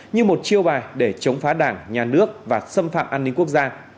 như một chiêu bài để chống phá đảng nhà nước và xâm phạm an ninh quốc gia